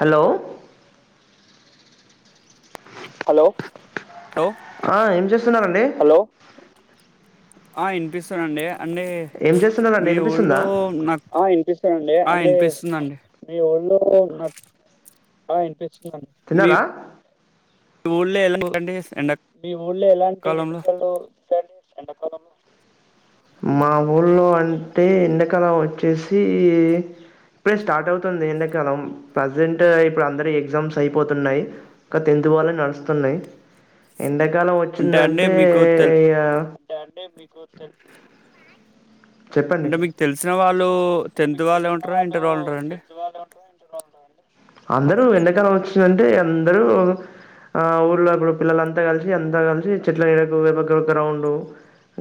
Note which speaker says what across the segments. Speaker 1: Hello hello
Speaker 2: hello
Speaker 1: ఆ ఏం చేస్తున్నారండి హలో
Speaker 2: ఆ ఇనిపిస్తదండి
Speaker 1: ఏం చేస్తున్నారాండి వినిపిస్తుందా
Speaker 2: నాకు
Speaker 1: ఆ ఇనిపిస్తుందండి
Speaker 2: ఆ
Speaker 1: అంటే
Speaker 2: వినిపిస్తుందండి
Speaker 1: మీ ఓళ్ళు నా ఆ ఇనిపిస్తుందండి తిన్నారా
Speaker 2: మీ ఊళ్ళే ఎలాంటి [unintelligible]
Speaker 1: మీ ఊళ్ళ ఎలాంటి విశేషాలు ఎండకోదమ్మా మా ఊళ్ళో అంటే ఎండకాలం వచ్చేసి ఇప్పుడే స్టార్ట్ అవుతుంది ఎండాకాలం ప్రజెంట్ ఇప్పుడు అందరి ఎగ్జామ్స్ అయిపోతున్నాయ్ ఒక టెన్ న్త్ వాళ్ళై నడుస్తున్నాయ్ ఎండాకాలం
Speaker 2: అంటే అంటే
Speaker 1: వచ్చిందంటే
Speaker 2: మీకు తెల్
Speaker 1: ఇగ అంటే మీకు చెప్పండి
Speaker 2: అంటే మీకు తెలిసిన వాళ్ళు
Speaker 1: అంటే
Speaker 2: టెన్త్
Speaker 1: మీకు చెసిన
Speaker 2: ఉంటారా
Speaker 1: వాళ్ళు
Speaker 2: ఇంటర్ ఉంటారా అండి
Speaker 1: టెన్త్ వాళ్ళు ఉం అందరూ ఎండకాలం వచ్చిందంటే అందరూ ఆ ఊర్ళలో ఇప్పుడు పిల్లలంతా కలిసి అంతా కలిసి చెట్ల ఎడడికో పోయేరో రౌండ్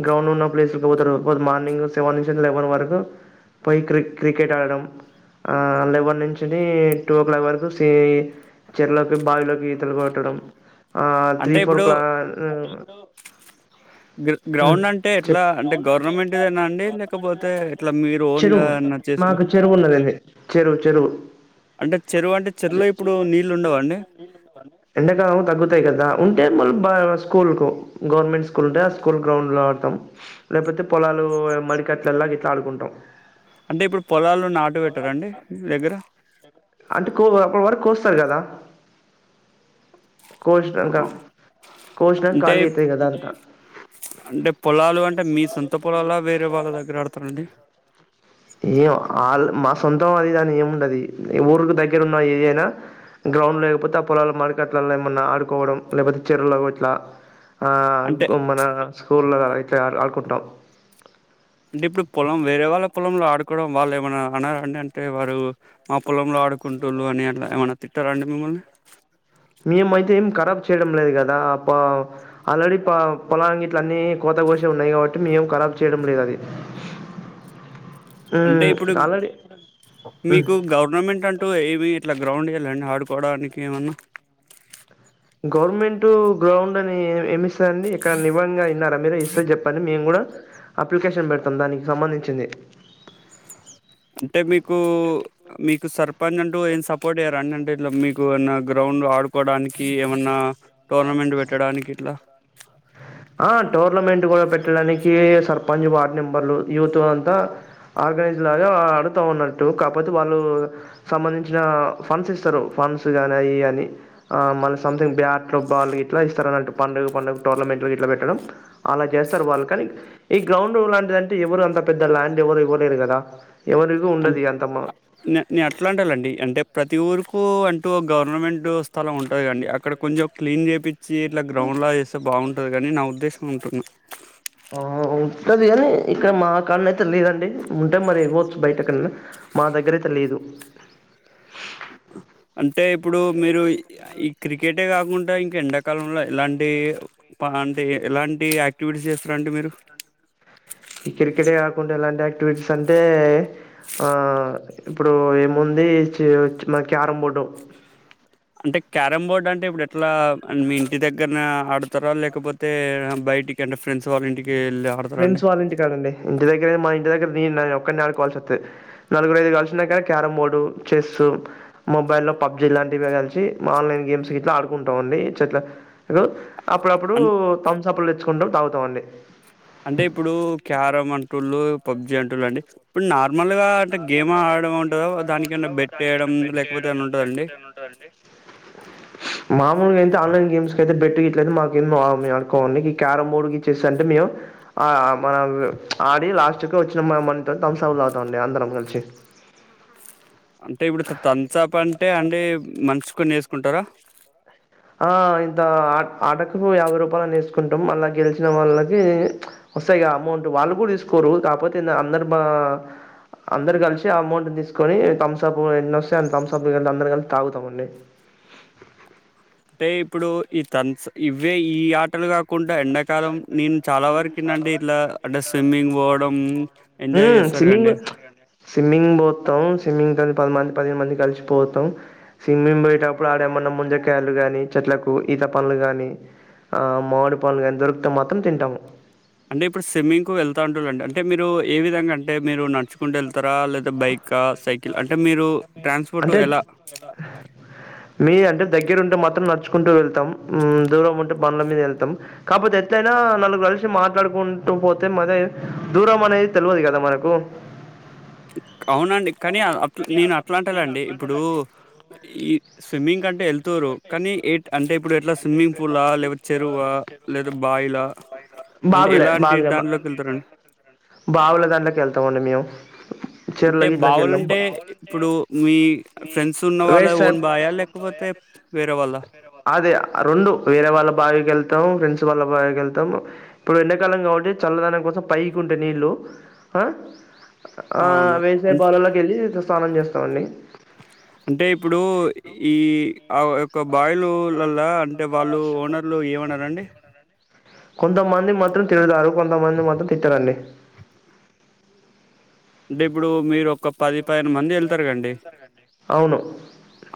Speaker 1: గ్రౌండ్ ఉన్న ప్లేసకి పోతరు మార్నింగ్ సెవెన్ నుంచి లెవెన్ వరకు పోయి క్రి క్రికెట్ ఆడడం ఆ లెవన్ నుంచి టూ ఓ క్లాక్ వరకు సి చెరలోకి బావిలోకి ఈతలుగోట్టడం ఆ త్రీ
Speaker 2: అంటే
Speaker 1: ఫోర్
Speaker 2: ఇప్పుడు
Speaker 1: క్లా
Speaker 2: గ్ర
Speaker 1: ఆ
Speaker 2: గ్రౌండ్ అంటే ఎట్లా
Speaker 1: చెప్పు
Speaker 2: అంటే గవర్నమెంట్దేనా అండి లేకపోతే ఇట్లా మీరు ఓన్గా
Speaker 1: చెరువు
Speaker 2: ఏమన్నా చేసుకు
Speaker 1: మాకు చెరువు ఉన్నదండి చెరువు చెరువు
Speaker 2: అంటే చెరువు అంటే చెరువులో ఇప్పుడు నీళ్ళు ఉండవండి
Speaker 1: ఎండకాలం తగ్గుతాయి గదా అంటే మళ్ళ స్కూల్ కు గవర్నమెంట్ స్కూల్ ఉంటే ఆ స్కూల్ గ్రౌండ్ లో ఆడతాం లేకపోతే పొలాలు మరికట్లలా ఇట్లా ఆడుకుంటాం
Speaker 2: అంటే ఇప్పుడు పొలాలు నాటు పెట్టారండి మీ దగ్గర
Speaker 1: అంటే కో అప్పటి వరకు కోస్తారు గదా కోశినాక
Speaker 2: ఆ,
Speaker 1: కోశినాకా
Speaker 2: అంటే
Speaker 1: అడినే ఎండుతాయ్ కాద అదంత
Speaker 2: అంటే పొలాలు అంటే మీ సొంత పొలాల వేరే వాళ్ళ దగ్గర ఆడుతారండి
Speaker 1: ఏం అళ్ మా సొంతం అది ఇది ఏముండది ఊరికి దగ్గరు ఉన్నా ఏదైనా గ్రౌండ్ లేకపోతే ఆ పొలలు మార్కెట్లలో ఏమన్నా ఆడుకోవడం లేకపోతే చెరువు లో ఇట్లా ఆ
Speaker 2: అంటే
Speaker 1: మన స్కూల్లో గదా ఇట్లా ఆడుకుంటాం
Speaker 2: అంటే ఇప్పుడు పొలం వేరే వాళ్ళ పొలంలో ఆడుకోవడం వాళ్ళు ఏమన్నా అన్నరడి అంటే వారు మా పొలంలో ఆడుకుంటులు అని అట్లా ఏమైన్నా తిట్టారా అండి మిమ్మల్ని
Speaker 1: మేము అయితే ఏం కరాబ్ చేయడం లేదు గదా ప ఆల్రెడీ పొలాంగి ఇట్ల అన్నీ కొ కొత్త గోషె ఉన్నాయి కాబట్టి మేము కరాబ్ చేయడం లేదు అది
Speaker 2: అంటే
Speaker 1: హ్మ్.
Speaker 2: ఇప్పుడు
Speaker 1: ఆల్రెడీ హ్మ్.
Speaker 2: మీకు గవర్నమెంట్ అంటూ ఏమి ఇట్లా గ్రౌండ్ ఇయ్యళ్ళే అండి ఆడుకోడానికి ఏమన్నా
Speaker 1: గవర్నమెంట్ గ్రౌండ్ అని ఎమీ ఇ అండి ఇక్కడ ఇవ్వంగా విన్నారా మీరు ఇస్తే చెప్పండి మేము గూడా అప్లికేషన్ పెడతాం దానికి సంబంధించింది
Speaker 2: అంటే మీకు మీకు సర్పంచ్ అంటు ఏం సపోర్ట్ చేయ్యార అండి అంటే ఇట్లా మీకు ఏమన్నా గ్రౌండ్ ఆడుకోవడానికి ఏమన్నా టోర్నమెంట్ పెట్టడానికి ఇట్లా [inaudible]
Speaker 1: ఆ టోర్నమెంట్ గూడా పెట్టడానికి సర్పంచ్ వార్డ్ మెంబర్లు యూత్ అంతా ఆర్గనై ఇలాగా ఆడుతా ఉన్నట్టు కాపోతే వాళ్ళు సంబంధించిన ఫండ్స్ ఇస్తరు ఫండ్స్ గాని అయి అని ఆ మళ్ళ సమ్థింగ్ బ్యాట్లు బాల్ ఇట్లా ఇస్తారున్నట్టు పండుగ పండుగ టోర్నమెంట్లు గిట్లా పెట్టడం అలా చేస్తారు వాళ్ళు కానీ ఈ గ్రౌండ్ లాంటి అంటే ఎవరు అంత పెద్ద ల్యాండ్ ఎవ్వరు ఇవ్వలేరు గదా
Speaker 2: అం నేను అట్లా అంటలండి అంటే ప్రతి ఊరు కు అంటూ గవర్నమెంట్ స్థలం ఉంటంది అండి అక్కడ కొంచం క్లీన్ చేపి చ్చి ఇట్లా గ్రౌండ్లా చేస్తే బాగుంటది గని నా ఉద్దేశం అంటున్నా
Speaker 1: ఆ ఉంటది కానీ ఇక్కడ మా కాడన అయితే లేదండి ఉంటే మరి ఇవ్వచ్చు బయట ఎక్కడనా మా దగ్గర అయితే లేదు
Speaker 2: అంటే ఇప్పుడు మీరు ఈ క్రికెటే కాకుండా ఇంక ఎండక కాలంలో ఎలాంటి పా ఎలాంటి యాక్టివిటీస్ చేస్తారండి మీరు
Speaker 1: ఈ క్రికెట్ కాకుండా ఎలాంటి ఆక్టివిటీస్ అంటే ఆ ఇప్పుడు ఏముంది చేయొచ్చు మళ్ళ క్యారం బోర్డు
Speaker 2: అంటే క్యారం బోర్డ్ అంటే ఇప్పుడు ఎట్లా మీ ఇంటి దగ్గర ఆడుతార లేకపోతే బ బయటికి ఫెండ్స్ వాళ్ళ ఇంటికి వెళ్ళి ఆడతారా అండి
Speaker 1: ఫ్రెండ్స్ వాళ్ళింటి కాడండి ఇంటి దగ్గర మా ఇంటి దగ్గర, నే ఒక్కరి నాడు కావాల్సి వస్తుంది. నలుగురుఐదు కాలిసినా కానీ క్యారంమ్ బోర్డు చెస్సు మొబైల్ లో పబ్జి లాంటివి కలిసి ఆన్లైన్ గేమ్స్ గి ఇట్లా ఆడుకుంటాండి చెట్ల అప్పుడప్పుడు
Speaker 2: అం
Speaker 1: తంసప్పులు తెచ్చుకుంటాం తాగుతామండి
Speaker 2: అంటే ఇప్పుడు క్యారం అంటుళ్ళు పబ్జి అంటుళ్ళు అండి ఇప్పుడు నా నార్మల్గా అంటే గేమ్ ఆడడం ఉంటుందో దానికన్నా బెట్ వేయడం లేకపోతే ఏమన్న ఉంటదండి.
Speaker 1: మామూలుగా ఎతే ఆన్లైన్ గేమ్స్ తే బెట్టు గ ఇట్లేదు మాకు అడుకోండి క్యారమ్ బోర్డు ఇచ్చేసి అంటే మేము మనం ఆడి లాస్ట్ క వచ్చిన మనీ తోంసపులు తగుతం అ ఆందరం కలిసి
Speaker 2: అంటే ఇప్పుడు తనసపు అంటే అండి మంచికొన్ని వేసుకుంటారా
Speaker 1: ఆ ఇంత ఆ ఆటకు యాభై రూపాయలు వేసుకుంటాం ఆన్ల గెలిసిన వాళ్ళకి వ అమౌంట్ వాళ్ళు కూడా తీసుకోరు కాకపోతే అందరు బా అందరు కలిసి ఆ అమౌంట్ తీసుకొని థమ్స అప్ ఎన్న వస్తా అ థమ్స అప్ అందరు కలిసి తాగుతామండి
Speaker 2: అంటే ఇప్పుడు ఈ తన్ ఇవే ఈ ఆటలు కాకుంటడా ఎండాకాలం నేను చాలా వరకుండిన్న ఇట్లా అంటే స్విమ్మింగ్ పోవడం ఎంజాయ్ చేస్త
Speaker 1: స్వింగ్ స్విమింగ్ పోతం స్మ్మింగ్ త పదిమంది పదేను మంది కలిసి పోతాం స్విమ్మింగ్ పోయేటప్పుడు ఆడేమన్నా ముంజ కా కాయా చెట్లకు ఈత పనులు కాగానీ మామిడి పనులు కానీ దొరుకుతే మాత్రం తింటాము.
Speaker 2: అంటే ఇప్పుడు స్విమ్మింగ్ కు వెళ్తా ఉంటులండి అంటే మీరు ఏ విధంగా అంటే మీరు నడుచ్చుకుంట వెళ్ తరా లేదా బైకా సైకిల్ అంటే మీరు ట్రాన్స్పోర్ట్ ఎలా
Speaker 1: మీద అంటే దగ్గర ఉంటే మాత్రం నచ్చుకుంటూ వెళ్తాం దూరం ఉంటే బండ్ల మీద వెళ్తాం కాకపోతే ఎట్లయినా నలుగురులిసి మాట్లాడుకుంటూ పోతే మజ ఏ దూరం అనేది తెలియదు కదా మనకు
Speaker 2: అవునండి కానీ అట్ నేను అట్లా అంటేలాండి ఇప్పుడు ఈ స్విమ్మింగ్ అంటే వెళ్తారు కానీ అంటే ఇప్పుడు ఎట్లా స్విమ్మింగ్ ఫూల్ లా లేదా చెరువా లేదా బాయిలా అంటే
Speaker 1: బావిలే
Speaker 2: ఎలాంటి
Speaker 1: బావిలేమ్మ
Speaker 2: దాంట్లోకి వెళ్తారండి
Speaker 1: బావులే దాంట్లోకి వెళ్తామండి మేము చర్ల
Speaker 2: అంటే
Speaker 1: గిట్లకి వెళ్ళాం బా
Speaker 2: బావాలంటే ఇప్పుడు మీ ఫ్రెండ్స్ ఉన్న వాళ్ళ
Speaker 1: వేస్ట్ సార్
Speaker 2: ఓన్ బాయా లేకపో తే వేరే వాల్ల
Speaker 1: అదే రెండు వేరే వాళ్ళ బావికి వెళ్తే ఫ్రెండ్స్ వాళ్ళ బాగా వెళ్తాం ఇప్పుడు ఎండాకాలం కాబట్టి చల్లదానం కోసం పైకి ఉంటాయి నీళ్ళు
Speaker 2: అవును
Speaker 1: వ్యవసాయ
Speaker 2: అన్
Speaker 1: బావులుల్లోకి వెళ్ళి స్నానం చేస్తామండి.
Speaker 2: అంటే ఇప్పుడు ఈ ఆ యొక్క బాయలు ల్ల అంటే వాళ్ళు ఓనర్లు ఏమన్నారండి
Speaker 1: కొంతమంది మాత్రం తిడుతారు కొంతమంది మాత్రం తిట్టారండి
Speaker 2: అంటే ఇప్పుడు మీరు ఒక్క పది
Speaker 1: పది పదిహేను మంది వెళ్తారు కండి అవును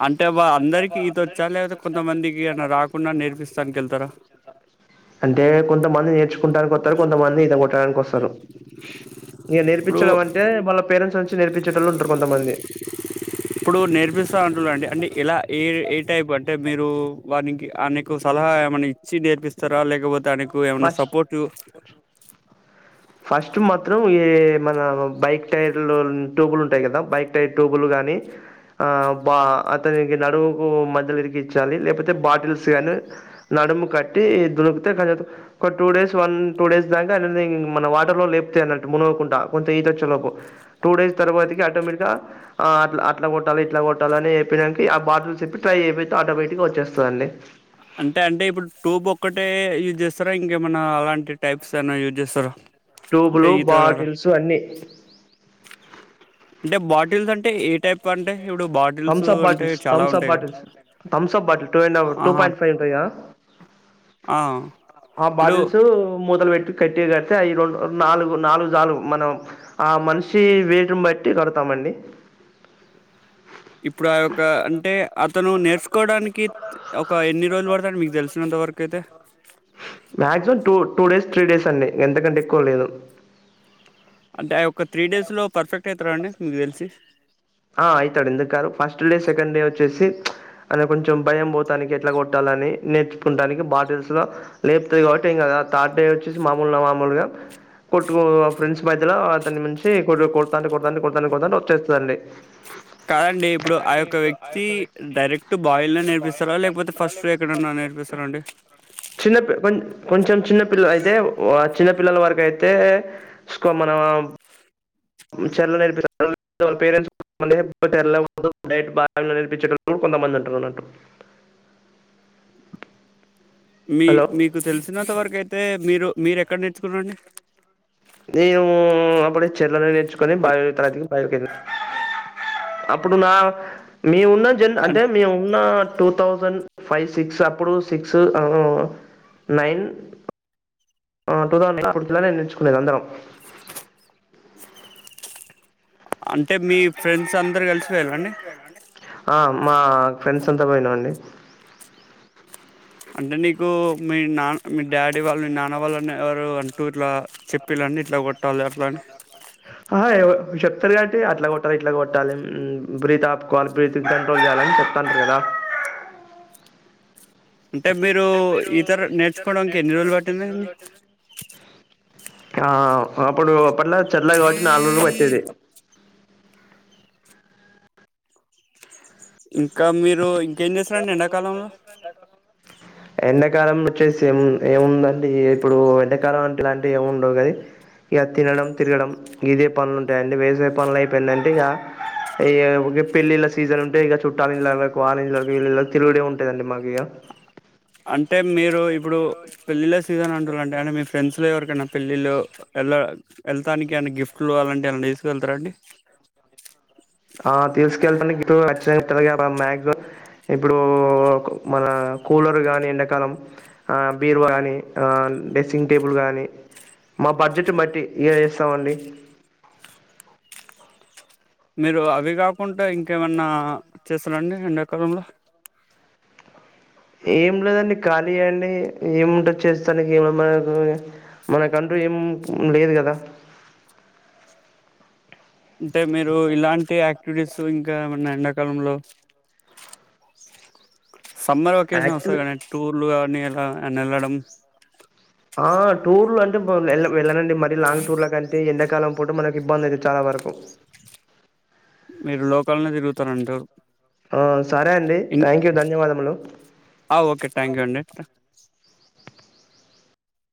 Speaker 2: అంటే వా
Speaker 1: అంటేబా
Speaker 2: అందరికి ఈతొచ్చా
Speaker 1: అందరికీ ఈ
Speaker 2: లేకపోతే
Speaker 1: ప్ర
Speaker 2: కొంతమందికి ఏమన్నా
Speaker 1: కొంతమందికి
Speaker 2: రాకుండా
Speaker 1: రాకుండా
Speaker 2: నేర్పిస్తానికెళ్తారా?
Speaker 1: నేర్పిస్తార అంటే కొంతమంది నేర్చుకుంటనికి వస్తారు కొంతమంది ఇతగొట్టడానికి వస్తారు. ఇక
Speaker 2: ఇప్పుడు
Speaker 1: నేర్పించడం అంటే వాళ్ళ పేరెంట్స్ నుంచి నేర్పించ
Speaker 2: ఇప్పుడు నేర్పిస్త అంటున్నారు అండి. ఇలా ఏ ఏ టైప్ అంటే మీరు వారినికి అనేకు సలహా ఏమైనా ఇచ్చి నేర్పిస్తారా లేకపోతే ఆన కు ఎమన్నా
Speaker 1: ఫస్ట్
Speaker 2: సపోర్ట్
Speaker 1: ఫస్ట్ మాత్రం ఈ మన బైక్ టైర్ లో టూబులు ఉంటాయి కదా బైక్ టైర్ టూబులు గానీ అ ఆ బా అతనికి నడువుకు మధ్యలో ఇరిగిచ్చాలి లేకపోతే బాటిల్స్ కానీ నడము కట్టి దుడుకుతే కతు ఒక two days one two days దాకా ఆయనని మన వాటర్ లో లేపపోతయ్యి అన్నట్టు మునుగకుంటడా కొంత ఈత వచ్చేలోపు టూ డేస్ తర్వాతికి ఆటోమేటిక్ గా అలా అట్లా కొట్టాలి ఇట్లా కొట్టాలి అని చెప్పానికి ఆ బాటిల్ టైయయితే ఆటోమేటిగా వచేస్తదండి.
Speaker 2: అంటే అంటే ఇప్పుడు టూబ్ ఒక్కటే యూజ్ చేస్తారా ఇంకేమన్నా అలాంటి టైప్స్ ఏనా యూజ్ చేస్తారా అంటే
Speaker 1: ట్యూబ్లు
Speaker 2: ఈతర
Speaker 1: బాటిల్స్ అన్ని
Speaker 2: అంటే బాటిల్స్ అంటే ఏ టైప్ అంటే ఇప్పుడు బాటిల్స్
Speaker 1: థమ్స్ అప్
Speaker 2: అంటే
Speaker 1: బాటిల్స్
Speaker 2: చాలా
Speaker 1: థమ్స్ అప్
Speaker 2: ఉంటాయిగా
Speaker 1: బాటిల్స్ థమ్స్ అప్ బాటిల్ టూండ్ టూ
Speaker 2: ఆహా
Speaker 1: పాయింట్ ఫైవ్ ఉంటాయి కదా
Speaker 2: ఆ
Speaker 1: ఆ
Speaker 2: ఇప్పుడు
Speaker 1: బాటిల్స్ ముత్తాలు పెట్ కట్టటిగా అయితే ఈ రెండు నాలుగు నాలుగు చాలు మనం ఆ మనిషి వెయిట్నే బట్టి కడతామండి
Speaker 2: ఇప్పుడు ఆ యొక్క అంటే అతను నేర్చుకోవడానికి ఒక ఎన్ని రోజులు పడతా మీకు తెలిసినంత వరకు అయితే
Speaker 1: [unintelligible] maximum two two days three days అండి ఎంతకంటే ఎక్కువ లేదు
Speaker 2: అంటే ఆయ ఒక్క త్రీ డేస్ లో పర్ఫెక్ట్ అవుతుర అండి మీకు తెలిసి
Speaker 1: ఆ అవుతాడు ఎందుకు కాదు ఫస్ట్ డే సెకండ్ డే వచ్చేసి అని కొంచెం భయం పోతానికి ఎట్లా కొట్టాలని నేర్చుకుంటానికి బాటిల్స్ లేపుతంది కాబట్టి ఏం థర్డ్ డే వచేసి మామూలు నా మముూలుగా కొట్టుకు ఫ్రెండ్స్ మధ్యలో అతని మించి కొట్టు కొడతా కొడతా కొడతా కొతా వచ్చేస్తుందిండి
Speaker 2: కాదండి ఇప్పుడు ఆ యొక్క వ్యక్తి డైరెక్ట్ బాయిల్ లో నేర్పిస్తారా లేకపోతే ఫస్ట్ ఎక్కడ నా నేర్పిస్తా అండి
Speaker 1: చిన్న పీ కో కొంచెం చిన్నపిల్ల అయితే చిన్న పిల్లల వరకు అయితేకో మనం చరలు నేర్పించ వాళ్ళ పేరెంట్స్ర డట్ బాగా నేర్పించ కొంతమంది ఉంటురున్నట్టు
Speaker 2: [inaudible] మీ
Speaker 1: హలో
Speaker 2: మీకు తెలిసినంత వరకు అయితే మీరు మీరు ఎక్కడ నేర్చుకున్నండి
Speaker 1: నేను అప్పుడే చెర్లోనే నేర్చుకొని
Speaker 2: హల్
Speaker 1: బయ తతికి బయకి వెళ్ళా అప్పుడు నా మీ ఉన్న జన్
Speaker 2: అన్
Speaker 1: అంటే మేము ఉన్న టూ థౌసండ్ ఫైవ్ సిక్స్ అప్పుడు సిక్స్ నైన్ టూౌసడ్ ఎయిట్ నుకునేది అందరం
Speaker 2: అంటే మీ ఫ్రెండ్స్ అందరు కలిసిపోయాలండి
Speaker 1: ఆ మా ఫ్రెండ్స్ అంతా పోయినం అండి
Speaker 2: అంటే నీకు మీ నాన్న మీ డాడీ వాళ్ళు మీ నాన్న వాళ్ళుని ఎవరు అంటూ ఇట్లా చెప్పిల అన్ని ఇట్లో కొట్టాలి అట్లాని
Speaker 1: ఆహా ఎవర చెప్తారు కాబట్టి అట్లా కొట్టాలి ఇట్లా కొట్టాలి బ్రీత్ ఆపుకోవాలి బ్రీత్ కంట్రోల్ చేయాలని చెప్తురు కదా
Speaker 2: అంటే మీరు ఇతర నేర్చుకోవడాకీ ఎన్ని రోజులు పట్టిందండి
Speaker 1: ఆ అప్పుడు అట్లా చెల్ల కావట్ నాలుగురు ప టేది
Speaker 2: ఇంకా మీరు ఇంకేం
Speaker 1: ఇకా
Speaker 2: చేస్తారండి
Speaker 1: మీరు
Speaker 2: ఎండాకాలంలో
Speaker 1: ఏడా ఎండాకాలం వచ్చేసి ఏ ఏముందండి ఇప్పుడు ఎండాకాలం అట్లా ఇలాంటివి ఏము ఉండవు కని ఇక తినడం తిరగడం ఇదే పనులు ఉంటాయిండి వేసే పనులు అయిపోయిందంటే ఇక ఈ ప పెళ్లిళ్ల సీజన్ ఉంటే ఇక చుట్టాల ఇలలో కా వీళ్ళలా తిరుగుడ ఉంటాదండి మాకు ఇక
Speaker 2: అంటే మీరు ఇప్పుడు పెళ్ళిళ్ళ సీజన్ ఉంటారు అంటే మీ ఫ్రెండ్స్ లో ఎవరికైనా పెళ్ళిళ్ళ వెళ్ళ వెళ్ళతానికి ఏనా గిఫ్ట్లు అలాంటివి అ తీసుకు వెళ్తారండి
Speaker 1: ఆ తీసుకెళ్ళడానికి ఇప్పుడు చ్చట్టగా మ్యాక్ ఇప్పుడు మన కూలర్ గాని ఎండాకాలం ఆ బీరువ కాగాని ఆ డ్రెస్సింగ్ టేబుల్ గానీ మా బడ్జెట్ బట్టి ఏం చేస్తామండి
Speaker 2: మీరు అవి కాకుండా ఇంకేమన్నా చేస్తారండి ఎండ ఎకాలంలో
Speaker 1: ఏం లేదండి ఖాళీ అండి ఏముంటచ్చేస్తానికి ఏ మన మన కంట ఏం లేదు కదా
Speaker 2: అంటే మీరు ఇలాంటి యాక్టివిటీస్ ఇంకా ఎ న్న ఎండాకాలంలో సమ్మర్ వెకేషన్
Speaker 1: యాక్టివ్
Speaker 2: వస్తది కానీ టూర్లు కానీ అలా వెళ్ళడం
Speaker 1: ఆ టూర్లు అంటే బ్ వెళ్ళనండి మరీ లాంగ్ టూర్ కంటే ఎండ కాలం పూట మనకి ఇబ్బంది అయిది చాలా వరకు
Speaker 2: మీరు లోకల్నే తిరుగుతారంటారు
Speaker 1: ఆ సరే అండి
Speaker 2: ఇన్
Speaker 1: థ్యాంక్ యూ ధన్యవాదములు
Speaker 2: ఓకే థ్యాంక్ యూ అండి